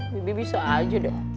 bibi bisa aja dong